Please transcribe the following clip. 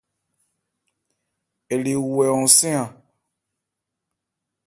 Ɛ le wu hɛ hɔnsɛ́n a.